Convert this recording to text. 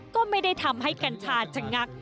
ก็ไม่ได้ทำให้กัญชาชะงัก